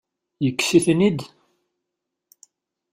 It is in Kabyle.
Yekkes-iten-id?